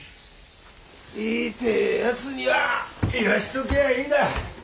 言いてえやつには言わしときゃあいいだ。